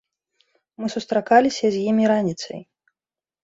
Мы сустракаліся з імі раніцай.